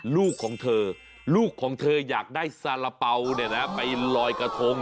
ลูกของเธอลูกของเธออยากได้สาระเป๋าไปลอยกระทง